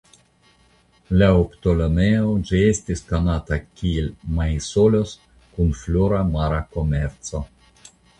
Laŭ Ptolemeo ĝi estis konata kiel Maisolos kun flora mara komerco.